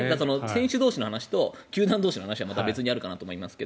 選手同士の話と球団同士の話はまた別にあるかなと思いますが。